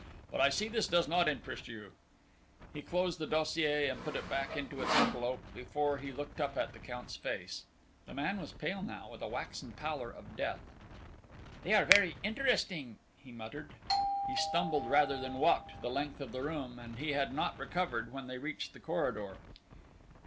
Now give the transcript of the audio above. But I see this does not interest you." He closed the dossier and put it back into its envelope, before he looked up at the Count's face. The man was pale now, with a waxen pallor of death. "They are very interesting," he muttered. He stumbled rather than walked the length of the room, and he had not recovered when they reached the corridor.